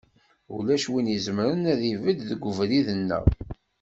Ulac win izemren ad ibedd deg ubrid-nneɣ.